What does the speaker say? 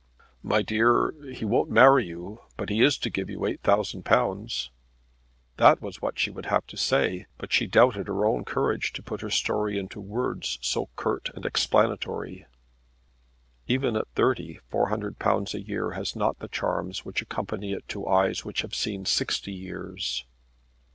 "My dear, he won't marry you; but he is to give you £8,000." That was what she would have to say, but she doubted her own courage to put her story into words so curt and explanatory. Even at thirty £400 a year has not the charms which accompany it to eyes which have seen sixty years.